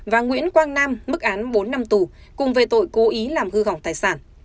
và nguyễn quang nam mức án bốn năm tù cùng về tội cố ý làm hư hỏng tài sản